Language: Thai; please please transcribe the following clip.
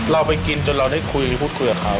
เราไปกินจนเราได้คุยพูดคุยกับเขา